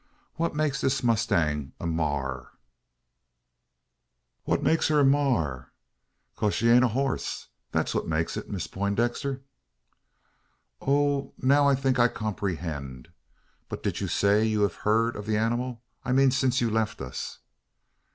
What makes this mustang a ma a r?" "What makes her a maar? 'Case she ain't a hoss; thet's what make it, Miss Peintdexter." "Oh now I I think I comprehend. But did you say you have heard of the animal I mean since you left us?"